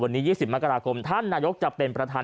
วันนี้๒๐มกราคมท่านนายกจะเป็นประธาน